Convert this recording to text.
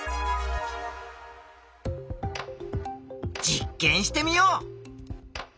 実験してみよう。